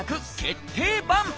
決定版。